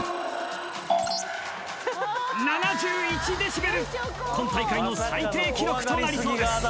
デシベル今大会の最低記録となりそうです